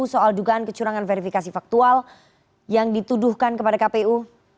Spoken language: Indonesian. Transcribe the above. soal dugaan kecurangan verifikasi faktual yang dituduhkan kepada kpu